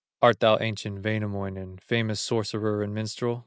Art thou ancient Wainamoinen, Famous sorcerer and minstrel?